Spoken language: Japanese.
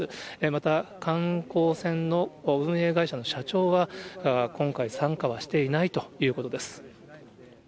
また観光船の運営会社の社長は、今回、参加はしていないということです。